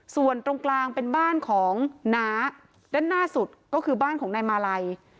ส่วนตรงกลางเป็นบ้านของน้าด้านหน้าสุดก็คือบ้านของนายมาลัย